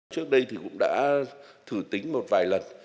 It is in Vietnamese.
trước đây thì cũng đã thử tính một vài lần